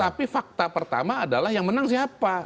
tapi fakta pertama adalah yang menang siapa